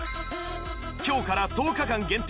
今日から１０日間限定